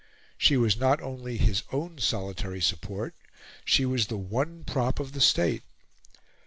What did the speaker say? She was not only his own solitary support; she was the one prop of the State.